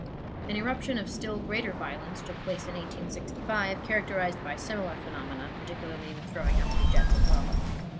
An eruption of still greater violence took place in 1865, characterized by similar phenomena, particularly the throwing up of jets of lava.